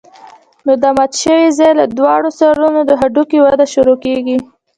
نو د مات شوي ځاى له دواړو سرونو د هډوکي وده شروع کېږي.